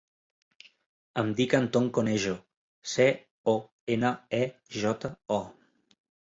Em dic Anton Conejo: ce, o, ena, e, jota, o.